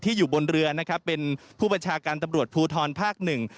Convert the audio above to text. ที่อยู่บนเรือเป็นผู้ประชาการตำรวจภูทรภาคหนึ่ง